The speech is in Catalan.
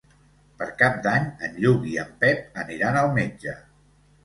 Per Cap d'Any en Lluc i en Pep aniran al metge.